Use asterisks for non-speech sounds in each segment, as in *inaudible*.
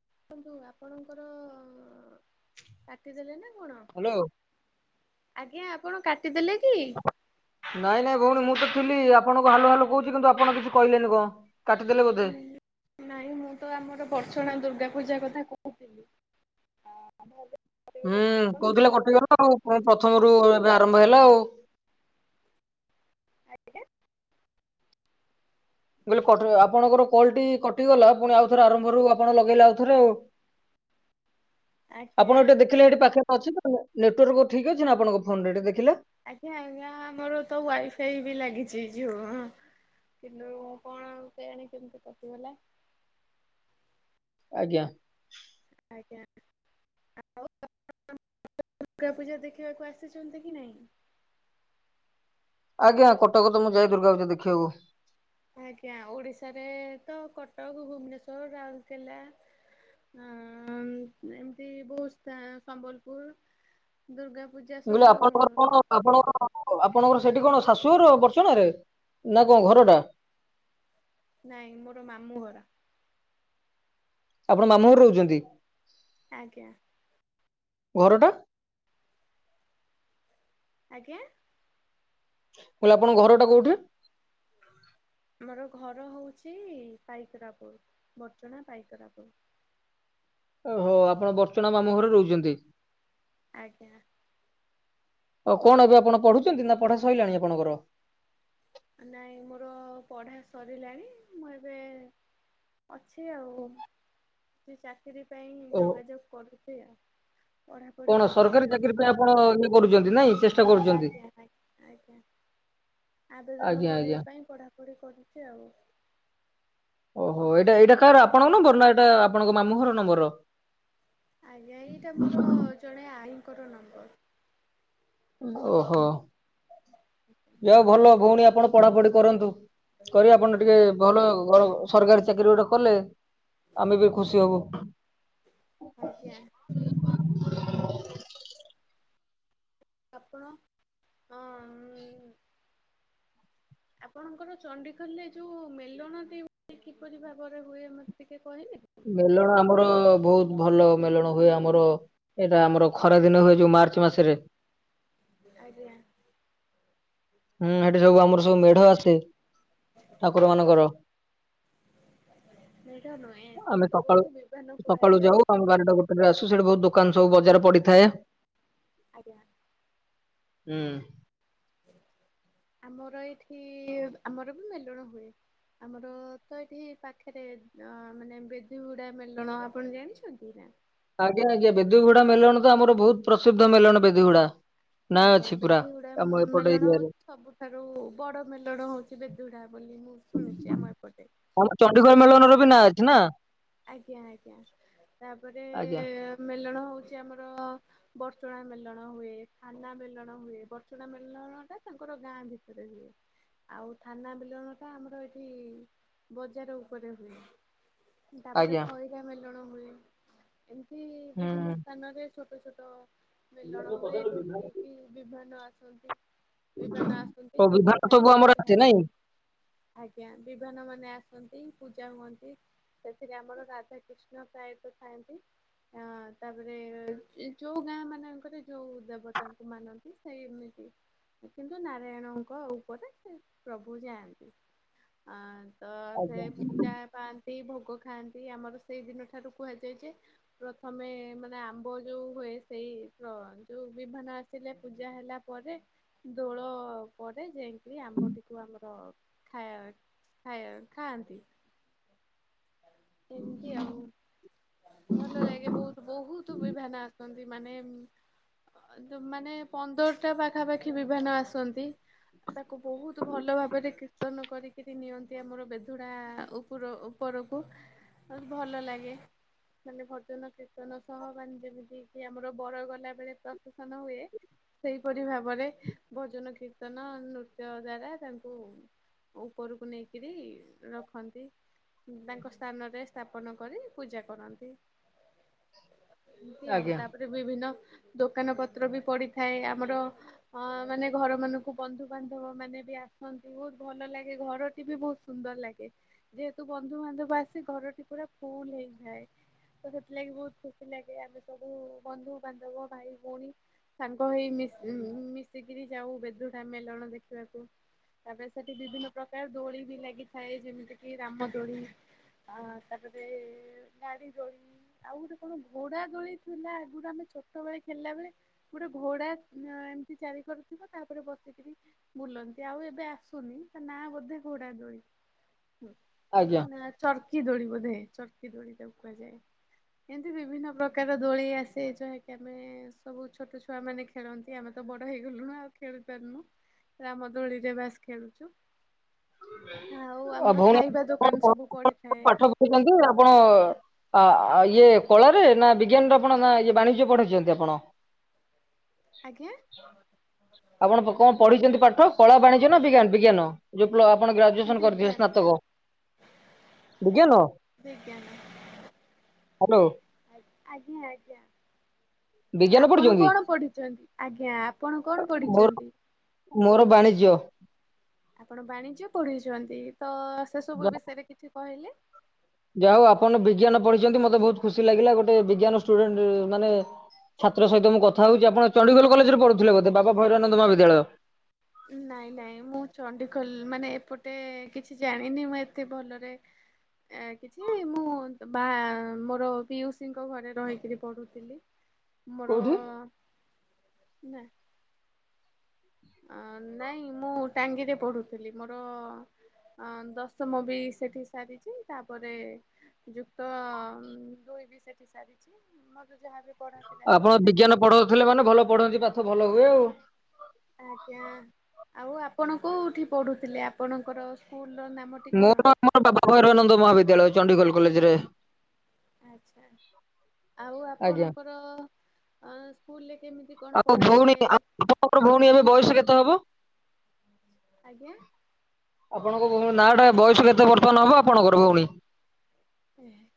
ଦେଖନ୍ତୁ ଆପଣଙ୍କର କାଟିଦେଲେ ନା କଣ ହ୍ୟାଲୋ ଆଜ୍ଞା ଆପଣ କାଟି ନାଇଁ ନାଇଁ ଭଉଣୀ ମୁଁ ତ ଥିଲି ଆପଣଙ୍କୁ ହାଲ ହାଲ କହୁଛି କିନ୍ତୁ ଆପଣ କିଛି କହିଲେନି କଣ? କାଟିଦେଲେ ବୋଧେ ନାଇଁ ମୁଁ ତ ଆମର ବର୍ଛଣା ଦୁର୍ଗା ପୂଜା କଥା କହୁଥିଲି ଅ ହୁଁ କହୁଥିଲେ କଟିଗଲା ଆଉ ପ୍ରଥମରୁ ଏବେ ଆରମ୍ଭ ହେଲା ଆଉ। ଆଜ୍ଞା। ମୁଁ କହିଲି ଆପଣଙ୍କର କଲ ଟି କଟିଗଲା ପୁଣି ଆଉଥରେ ଆରମ୍ଭରୁ ଆପଣ ଲଗେଇଲେ ଆଉ ଥରେ ଆଉ। *inaudible* ଆଜ୍ଞା ଆପଣ ଗୋଠେ ଦେଖିଲେ ଏଠି ପାଖରେ ଅଛନ୍ତି ତ ନେଟୱାର୍କ ଠିକ ଅଛି ନା ଆପଣଙ୍କ ଫୋନ ରେ ଦେଖିଲା। ଆଜ୍ଞା ଆଜ୍ଞା ଆମର ତ ୱାଇଫାଇ ବି ଲାଗିଛି ଯଝିଉ କିନ୍ତୁ କଣ ଆ କେ ଆଣି କେମିତି କଟିଗଲା। ଆଜ୍ଞା। ଆ୍ଞା ଆଉଉ ଦୁର୍ଗା ପୂଜା ଦେଖିବାକୁ ଆସିଛନ୍ତି କି ନାହିଁ? ଆଜ୍ଞା କଟକ ତ ମୁଁ ଯାଇ ଦୁର୍ଗା ପୂଜା ଦେଖିବାକୁ ଆଜ୍ଞା ଓଡିଶାରେ ତ କଟକ ଭୁବନେଶ୍ଵର ରାଉରକେଲା ଅ ଏମିତି ବହୁ ସମ୍ବଲପୁର ଦୁର୍ଗା ପୂଜା ବୁିଲ ସବୁ ଆପଣଙ୍କର କଣ ଆପଣଙ୍କ ଆପଣଙ୍କର ସେଠି କଣ ଶାଶୁ ଘର ବର୍ଚ୍ଚନା ରେ ନା କଣ ଘର ଟା ନାଇଁ ମୋର ମାମୁଁ ଘର ଆପଣ ମାମୁଁ ଘରେ ରହୁଛନ୍ତି ଆଜ୍ଞା ଘରଟା ଆଜ୍ଞା କହିଲି ଆପଣଙ୍କ ଘର ଟା କୋଉଠି ଆମର ଘର ହଉଛି ପାଇକରାପୁର ବର୍ଚଣା ପାଇକରାପୁର ଓହୋ ଆପଣ ବର୍ଚ୍ଚନା ମାମୁ ଘରେ ରହୁଛନ୍ତି ଆଜ୍ଞା ହ କଣ ଏବେ ଆପଣ ପଢୁଛନ୍ତି ନା ପଢା ସରିଲାଣି ଆପଣଙ୍କର ନାଇଁ ମୋର ପଢା ସରିଲାଣି ମୁଁ ଏବେ ଅଛି ଆଉ ସେ ଚାକିରି ପାଇଁଁ ଓହୋ ଯୋଗାଯୋଗ କରୁଛି ଆଉ ପଢାପଢି କଣ କରୁଛି ସରକାରୀ ଚାକିରି ପାଇଁ ଆପଣ ଇଏ କରୁଛନ୍ତି ନାଇଁ ଚେଷ୍ଟା କରୁଛନ୍ତି ଆଜ୍ଞାା ଆଜ୍ଞା ଆଜ୍ଞା ଆବେଦନ ଆଜ୍ଞା ଆଜ୍ଞା। କରିବା ପାଇଁ ପଢାପଢି କରୁଛି ଆଉ ଓହୋ ଏଇଟା ଏଇଟା କାହାର ଆପଣଙ୍କ ନମ୍ବର ନା ଏଇଟା ଆପଣଙ୍କ ମାମୁଁ ଘର ନମ୍ବରର ଆଜ୍ଞା ଏଇଟା ମୋର ଜଣେ ଆଈଙ୍କର ନମ୍ବର ଓହୋ ଯାହା ହଉ ଭଲ ଭଉଣୀ ଆପଣ ପଢାପଢି କରନ୍ତୁ କରି ଆପଣ ଟିକେ ଭଲ ସରକାରୀ ଚାକିରି ଗୋଟେ କଲେ ଆମେ ବି ଖୁସି ହବୁ ନିହାତି *inaudible* ଆପଣ ଆଁ ଆପଣଙ୍କର ଚଣ୍ଡିଖଲରେ ଯୋଉ ମେଲନନ୍ତି କିପରି ଭାବରେ ହୁଏ ମତେ ଟିକେ କହିଲେ ମେଲଣ ଆମର ବହୁତ ଭଲ ମେଲଣ ହୁଏ ଆମର ଏଇଟା ଆମର ଖରା ଦିନ ହୁଏ ଯୋଉ ମା ମାର୍ଚ୍ଚ ମାସରେ ଆଜ୍ଞା। ହୁଁ ଏଠି ସବୁ ଆମର ସବୁ ମେଢ଼ ଆସେ ଠାକୁର ମାନଙ୍କର ମେଢ ନୁହେଁ ସେ ଆମେ ସକାଳୁ ସବୁକୁ ବିଭାନ ସକାଳୁ କୁହାଯାଏ ଯାଉ ଆମେ ବାରଟା ଗୋଟେ ବେଳେ ଆସୁ ସେଠି ବହୁତ ଦୁଖ ଦୋକାନ ସବୁ ବଜାର ପଡ଼ିଥାଏ। ଆଜ୍ଞା। ହୁଁ। ଆମର ଏଇଠି ଆମର ବି ମେଲଣ ହୁଏ। ଆମର ତ ଏଠି ପାଖରେ ଅ ମାନେ ବେଧି ଗୁଡ଼ା ମେଲଣ ଆପଣ ଜାଣିଛନ୍ତି ନା? ଆଜ୍ଞା ଆଜ୍ଞା ବେଦୀଗୁଡ଼ା ମେଳଣ ତ ଆମର ବହୁତ ପ୍ରସିଦ୍ଧ ମେଲଣ ବେଦୀଗୁଡ଼ା। ଆଜ୍ଞା ବେଦୀଗୁଡ଼ା ମେଲଣ ଏରିଆରେ ହଉଛି ସବୁଠାରୁ ବଡ଼ ମେଲଣ ହଉଛି ବେଦୀଗୁଡ଼ା ବୋଲି ମୁଁ ଶୁଣିଛି ଏପଟେ ଆମ ଚଣ୍ଡିଗଡ଼ ତାପରେ ମେଲନର ବି ନାଁ ଅଛି ନା। ଆଜ୍ଞା ଆଜ୍ଞା ତାପରେ ଆଜ୍ଞା ମେଲଣ ହଉଛି ଆମର ବର୍ଚୁଣା ମେଲଣ ହୁଏ। ଥାନା ମେଲଣ ହୁଏ ବର୍ଚଣା ମେଲଣ ଟା ତାଙ୍କର ଗାଁ ଭିତରେ ହୁଏ। ଆଉ ଥାନା ମେଲଣ ଟା ଆମର ଏଠି ବଜାର ଉପରେ ହୁଏ। ତାପରେ ଆଜ୍ଞା ଖଇରା ମେଲଣ ହୁଏ ଏମତି ହୁଁ। ବିଭିନ୍ନ ସ୍ଥାନରେ ଛୋ ଟ ଛୋଟ ମେଲଣ ହୁଏ ଯୋଉଠିକି *unintelligible* କି ବିଭାନ ଆସନ୍ତି। ବିଭାନ ଆସନ୍ତି ଓ ଭୋଗ ବିଭାଗ ଖାଇ ସବୁ ପ ଆମର ଅଛି ନାଇଁ ଆଜ୍ଞା ବିଭାନ ମାନେ ଆସନ୍ତି ପୂଜା ହୁଅନ୍ତି ସେଥିରେ ଆମର ରାଧାକୃଷ୍ଣ ପ୍ରାୟତଃ ଥାନ୍ତି ଅ ତାପରେ ଯୋଉ ଗାଁ ମାନଙ୍କରେ ଯୋଉ ଦେ ବତାଙ୍କୁ ମାନନ୍ତି ସେ ଏମିତି କିନ୍ତୁ ନାରାୟଣଙ୍କ ଉପରେ ସେ ପ୍ରଭୁ ଯାଆନ୍ତି ଆଁ ତ ସେ ପୂଜା ପାଆଁ ତି ଭୋଗ ଖାଆନ୍ତି ଆମର ସେଇ ଦିନ ଠାରୁ କୁହାଯାଏ ଯେ ପ୍ରଥମେ ମାନେ ଆମ୍ବ ଯୋଉ ହୁଏ। ସେଇ ପ୍ର ଯୋଉ ବିମାନ ଆସିଲେ ପୂଜା ହେଲା ପରେ ଦୋଳ ପରେ ଯାଇଁ ଆମ୍ବଟିକୁ ଆମର ଖାଇ ଖା ଖାଆନ୍ତି। ଏମିତି ଆଉ ଭଲ ଲାଗେ ବହୁତ ବହୁତ ବି ଭାନ ଆସନ୍ତି। ମାନେ ମାନେ ପନ୍ଦରଟା ପାଖାପାଖି ବିଭାନ ଆସନ୍ତି। ତାକୁ ବହୁତ ଭଲ ଭାବରେ କୀର୍ତ୍ତନ କରିକିରି ନିଅନ୍ତି ଆମର ବେଧୁଡା ଉପର ଉପ ରକୁ ଭଲ ଲାଗେ। ମାନେ ଭଜନ କୀର୍ତ୍ତନ ସହ ମାନେ ଯେମିତି କି ଆମର ବର ଗଲା ବେଳେ ପ୍ର ସେସନ ହୁଏ। ସେଇପରି ଭାବରେ ଭଜନ କୀର୍ତ୍ତନ ନୃତ୍ୟ ଦ୍ଵାରା ତାଙ୍କୁ ଉପରକୁ ନେଇକିରି। ରଖନ୍ତି ତାଙ୍କ ସ୍ଥାନରେ ସ୍ଥାପନ କରି ପୂଜା କରନ୍ତି। ଏମତି ଆଉ ଆଜ୍ଞା ତାପରେ ବିଭିନ୍ନ ଦୋ ଦୋକାନ ପତ୍ର ବି ପଡ଼ିଥାଏ ଆମର ଅ ମାନେ ଘର ମାନଙ୍କୁ ବନ୍ଧୁବାନ୍ଧବ ମାନେ ବି ଆସନ୍ତି। ବହୁତ ଭଲ ଲାଗେ ଘରଟି ବି ବହୁତ ସୁନ୍ଦର ଲାଗେ ଯେହେତୁ ବନ୍ଧୁବାନ୍ଧବ ଆସି ଘରଟି ପୁରା ଫୁଲ ହେଇଥାଏ ତ ସେଥିଲାଗି ବହୁତ ଖୁସି ଲାଗେ ଆମେ ସବୁ ବନ୍ଧୁବାନ୍ଧବ ଭାଇ ଭଉଣୀ ସାଙ୍ଗ ହେଇ ମିଶି ମିଶିକିରି ଯାଉ ବେଦୁ ଟା ମେଲଣ ଦେଖିବାକୁ। ତାପରେ ସେଠି ବିଭିନ୍ନ ପ୍ରକାର ଦୋଳି ବି ଲାଗିଥାଏ ଯେମିତି କିି ରାମ ଦୋଳି ଅ ତାପରେ ନାଡ଼ି ଦୋଳି ଆଉ ଗୋଟେ କଣ ଘୋଡା ଦୋଳି ଥିଲାଗ ଆମେ ଛୋଟ ବେଳେ ଖେଳିଲା ବେଳେ ଗୋଟେ ଘୋଡ଼ା ଏମିତି ଚାରି କରଥିବ ତାପରେ ବସିକରି ବୁଲନ୍ତି ଆଉ ଏବେ ଆସୁନି ନା ବୋଧେ ଘୋଡ଼ା ଦୋଳି ଆଜ୍ଞା ନା ଚ ଚର୍କି ଦୋଳି ବୋଧେ ଚର୍କି ଦୋଳି ତାକୁ କୁହାଯାଏ। ଏମିତି ବିଭିନ୍ନ ପ୍ରକାର ଦୋଳି ଆସେ ଯୋହା କି ଆମେ ସବୁ ଛୋଟ ଛୁଆ ମାନେ ଖେଳନ୍ତି ଆମେ ତ ବଡ ହେଇଗଲୁଣି ଆଉ ଖେଳି ପାରୁନୁ ରାମ ଦୋଳିରେ ବାସ ଖେଳୁଛୁ। ଆଉ ଆ ଆମର ଖାଇବା ଦୋକାନ ଭଉନା ସବୁ ପଡିଥାଏ ପାଠ ପଢୁଛନ୍ତି ଆପଣ ଆ ଆଉ ଇଏ କଳ ରେ ନା ବିଜ୍ଞାନରେ ଆପଣ ନା ଇଏ ବାଣିଜ୍ୟ ପଢେଇଛନ୍ତି ଆପଣ? ଆଜ୍ଞା? ଆପଣ କଣ ପଢିଛନ୍ତି ପାଠ କଳା ବାଣିଜ୍ୟ ନା ବି୍ଞାନ ବିଜ୍ଞାନ ଯୋଉ ଆପଣ ଗ୍ରାଜୁଏସନ କରିଥିବେ ବିଜ୍ଞାନ ସ୍ନାତକ ବିଜ୍ଞାନ ବିଜ୍ଞାନ। ହ୍ୟାଲୋ! ଆଜ୍ଞା ଆଜ୍ଞା। ବିଜ୍ଞାନ ଆପଣ ପଢୁଛନ୍ତି କଣ ପଢିଛନ୍ତି ଆଜ୍ଞା ଆପଣ କଣ ମୋର ପଢିଛନ୍ତି? ମୋର ବାଣିଜ୍ୟ! ଆପଣ ବାଣିଜ୍ୟ ପଢିଛନ୍ତି ତ ସେ ସବୁ ବିଷୟରେ କିଛି କହିଲେ? ଯା ହଉ ଆପଣ ବିଜ୍ଞାନ ପଢିଛନ୍ତି ମତେ ବହୁତ ଖୁସି ଲାଗିଲା ଗୋଟେ ବିଜ୍ଞାନ ଷ୍ଟୁଡେଣ୍ଟ ମାନେ ଛାତ୍ର ସହିତ ମୁଁ କଥା ହଉଛି ଆପଣ ଚଣ୍ଡିଗୋଲ କଲେଜରେଢୁଥିଲେ ବୋଧେ ବାବା ଭୈରାନନ୍ଦ ମହାବିଦ୍ୟାଳୟ? ନାଇଁ ନାଇଁ ମୁଁ ଚଡିଖୋଲ ମାନେ ଏପଟେ କିଛି ଜାଣିନି ମୁଁ ଏତେ ଭଲରେ ଏ କିଛି ମୁଁ ବା ମୋର ପିୟୁଷିଙ୍କ ଘରେ ରହିକିରି ପଢୁଥିଲି। ମୋର କୋଉଠି? ନା ଅ ନାଇଁ ମୁଁ ଟାଙ୍ଗିରେ ପଢୁଥିଲି ମୋର ଅ ଦଶମ ବି ସେଠି ସାରିଛି ତାପରେ ଯୁକ୍ତ ଦୁଇ ବି ସେଠି ସାରିଛି ମ ଆପଣ ବିଜ୍ଞାନ ପଢଉଥିଲେ ମାନେ ଭଲ ପଢଛନ୍ତି ପାଠ ଭଲ ହୁଏ ଆଉ। ଆଜ୍ଞା ଆଉ ଆପଣ କୋଉଠି ପଢୁଥିଲେ ଆପଣଙ୍କର ସ୍କୁଲ ର ନାମଟି କଣ ମୋର ଆମର ବାବା ଭୈରାନନ୍ଦ ମହାବିଦ୍ୟାଳୟ ଚଣ୍ଡିଗଡ଼ କଲେଜରେ। ଆଚ୍ଛା ଆଉ ଆଜ୍ଞା। ଆପଣଙ୍କର ଅ ସ୍କୁଲରେ କେମିତି କଣ ଆଉ ଭଉଣୀ ଆ ପଢାଯାଏ ଆପଣଙ୍କର ଭଉଣୀ ଏବେ ବୟସ କେତେ ହବ? ଆଜ୍ଞା ଆପଣଙ୍କ ଭଉଣୀ ନା ଟା ବୟସ କେତେ ବର୍ତ୍ତମାନ ହବ ଆପଣଙ୍କର ଭଉଣୀ?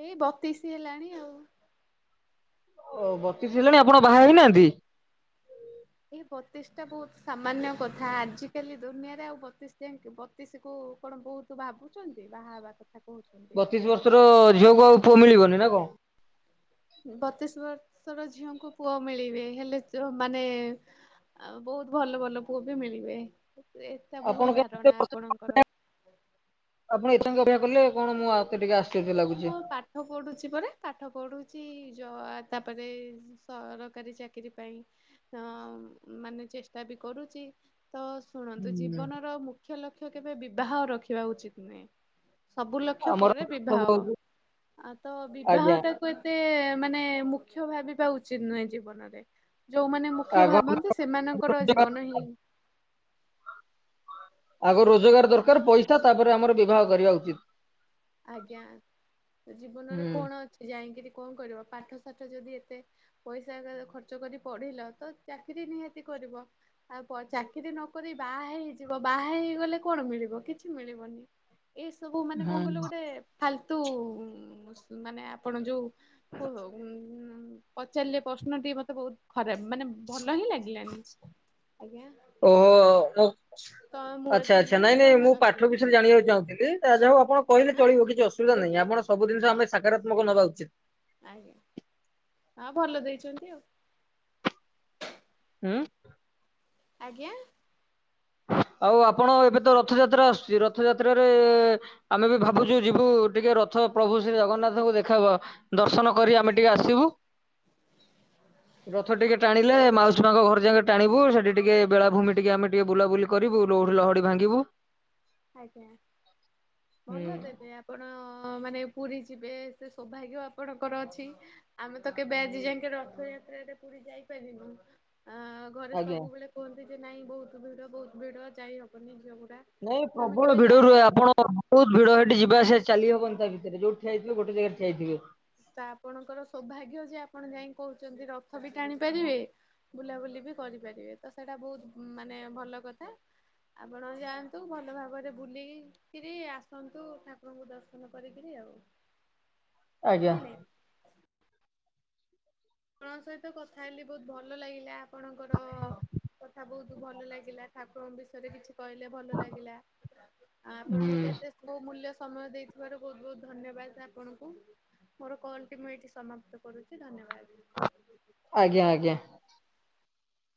ଏଇ ବତିଶ ହେଲାଣି ଆଉ। ଓ ବତିଶ ହେଲାଣି ଆପଣ ବାହା ହେଇନାହାନ୍ତି? ଏଇ ବତିଶ ଟା ବହୁତ ସାମାନ୍ୟ କଥା ଆଜିକାଲି ଦୁନିଆରେ ଆଉ ବତିଶ ଯାଇକି ବତିଶ କୁ କଣ ବହୁତ ଭାବୁଛନ୍ତି ବାହା ହେବା କଥା? କହୁଛନ୍ତି। ବତିଶ ବର୍ଷର ଝିଅକୁ ଆଉ ପୁଅ ମିଳିବନି ନା କଣ? ବତିଶ ବର୍ଷର ଝିଅଙ୍କୁ ପୁଅ ମିଳିବେ ହେଲେ ମାନେ ଆଉ ବହୁତ ଭଲ ଭଲ ପୁଅ ବି ମିଳିବେ। ଏଇଟା ଭୁଲ ଆପଣ କେତେ ଧାରଣା ବର୍ଷ ଆପଣଙ୍କର। ଆପଣ ଏତେ ଅପେକ୍ଷା କଲେ କଣ ମୁଁ ଆଉେ ଟିକେ ଆ ମୁଁ ପାଠ ପଢୁଛି ପରା ପାଠ ପଢୁ ତାପରେ ସରକାରୀ ଚାକିରି ପାଇଁ ଅ ମାନେ ଚେଷ୍ଟା ବି କରୁଚି। ତ ଶୁଣନ୍ତୁ ହୁଁ ଜୀବନର ମୁଖ୍ୟ ଲକ୍ଷ୍ୟ କେବେ ବିବାହ ରଖିବା ଉଚିତ ନୁହେଁ। ସବୁ ଲକ୍ଷ ଆମର ପରେ ପ୍ରଥମ ବିବାହ ହଉଛି ଆ ତ ବିବାହ ଆଜ୍ଞା ଟାକୁ ଏତେ ମାନେ ମୁଁ ମୁଖ୍ୟ ଭାବିବା ଉଚିତ ନୁହେଁ ଜୀବନରେ। ଯୋଉମାନେ ମୁଖ୍ୟ ଆଗ ଆମକୁ ଭାବନ୍ତି ସେମାନଙ୍କର ରୋଜଗାର ଜୀବନ ହିଁ ଆଗ ରୋଜଗାର ଦରକାର ପଇସା ତାପରେ ଆମର ବିବାହ କରିବା ଉଚିତ। ଆଜ୍ଞା ଜୀବନରେ ହୁଁ କଣ ଅଛି ଯାଇକିରି କଣ କରିବ ପାଠ ସାଠ ଯଦି ଏତେ ପଇସା ଖର୍ଚ୍ଚ କରି ପଢିଲ ତ ଚାକିରି ନିହା ଆଉ ଚାକିରି ନକରି ବାହା ହେଇଯିବ ବାହା ହେଇଗଲେ କଣ ମିଳିବ କିଛି ମିଳିବନି? ଏ ସବୁ ମାନେ କଣ କହିଲ ହୁଁ ଗୋଟେ ଫାଲତୁ ମାନେ ଆପଣ ଯୋଉ ଚାରିଲେ ପ୍ରଶ୍ନଟିି ମତେ ବହୁତ ଖରାପ ମାନେ ଭଲ ହିଁ ଲାଗିଲାନି ଆଜ୍ଞା? ଓହୋ ଓ। ତ ମୁଁ ଆଚ୍ଛା ଆଚ୍ଛା ଥିଲି ନାଇଁ ନାଇଁ ତମେ ମୁଁ ପାଠ ଡାକିଲନି ଆଉ। ବିଷୟରେ ଜାଣିବାକୁ ଚାହୁଁଥିଲି ତା ହଉ ଆପଣ କହିଲେ ଆଁ ଚଳିବ କିଛି ଅସୁବିଧା ନାହିଁ ଦେଖିଆ ଆପଣ ସବୁ ଜିନିଶ ଆମେ ସକାରାତ୍ମକ ନବା ଉଚିତ। ଆଜ୍ଞା ହଁ ଭଲ ଦେଇଛନ୍ତି ଆଉ। ହୁଁ। ଆଜ୍ଞା? ଆଉ ଆପଣ ଏବେ ତ ରଥଯାତ୍ରା ଆସୁଛି ରଥଯାତ୍ରାରେ ଆମେ ବି ଭାବୁଛୁ ଯିବୁ ଟିକେ ରଥ ଥ ପ୍ରଭୁ ଶ୍ରୀ ଜଗନ୍ନାଥଙ୍କୁ ଦେଖା ହବା ଦର୍ଶନ କରି ଆମେ ଟିକେ ଆସିବୁ। ରଥ ଟିକେ ଟାଣିଲେ ମାଉସୀ ମାଙ୍କ ଘର ଯାକେ ଟାଣିବୁ ସେଠି ଟିକେ ବେଳାଭୂମି ଟିକେ ଆମେ ଟିକେ ବୁଲାବୁଲି କରିବୁ ଲୋଠି ଲହଡି ଭାଙ୍ଗିବୁ। ଆଜ୍ଞା ହୁଁ। ଭଲ ତେବେ ଆପଣ ମାନେ ପୁରୀ ଯିବେ ସେ ସୌଭାଗ୍ୟ ଆପଣଙ୍କର ଅଛି ଆମେ ତ କେବେ ଆଜି ଯାଙ୍କେ ରଥ ଯାତ୍ରାରେ ପୁରୀ ଯାଇପାରିନୁ। ଅ ଘରେ ଆଜ୍ଞା ସବୁବେଳେ କୁହନ୍ତି ଯେ ନାଇଁ ବହୁତ ଭିଡ ବହୁତ ଭିଡ ଯାଇହବନି ଝିଅ ମୋ ନାଇଁ ପ୍ରବଳ ଭିଡ ରୁହେ ଆପଣ ବହୁତ ଭିଡ ସେଠି ଯିବାଆସିବା ଚାଲି ହବନି ତା ଭିତରେ ଯୋଉଠି ଯାଇଥିବେ ଗୋଟେ ଜାଗାରେ ଠିଆ ହେଇଥିବେ। ତ ଆପଣଙ୍କର ସୌଭାଗ୍ୟ ଯେ ଆପଣ ଯାଇକି କହୁଛନ୍ତି ରଥ ବି ଟାଣି ପାରିବେ ବୁଲାବୁଲି ବି କରିପାରିବେ ତ ସେଇଟା ବହୁତ ମାନେ ଭଲ କଥା। ଆପଣ ଯାଆନ୍ତୁ ଭଲ ଭାବରେ ବୁଲିକିରି ଆସନ୍ତୁ ଠାକୁରଙ୍କୁ ଦର୍ଶନ କରିକିରି। ଆଉ। ଆଜ୍ଞା। ବୁଝିଲେ। ଆପଣଙ୍କ ସହିତ କଥା ହେଲି ବହୁତ ଭଲ ଲାଗିଲା ଆପଣଙ୍କର କଥା ବହୁତ ଭଲ ଲାଗିଲା। ଠାକୁରଙ୍କ ବିଷୟରେ କିଛି କହିଲେ ଭଲ ଲାଗିଲା ଆଉ ଆପଣ ହୁଁ। ମତେ ଏତେ ବହୁ ମୂଲ୍ୟ ସ ସମୟ ଦେଇଥିବାର ବହୁତ ବହୁତ ଧନ୍ୟବାଦ ଆପଣଙ୍କୁ। ମୋର କଲ୍ ଟି ମୁଁ ଏଇଠି ସମାପ୍ତ କରୁଛି ଧନ୍ୟବାଦ। ଆଜ୍ଞା ଆଜ୍ଞା।